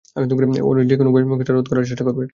ওরা যেকোনো উপায়ে কেসটা রদ করার চেষ্টা করবে।